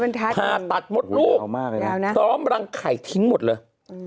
ผ่าตัดมดลูกซ้อมรังไข่ทิ้งหมดเลย